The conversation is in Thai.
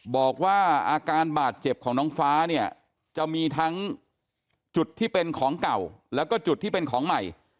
บอกว่าอาการบาดเจ็บของน้องฟ้าเนี่ยจะมีทั้งจุดที่เป็นของเก่าแล้วก็จุดที่เป็นของใหม่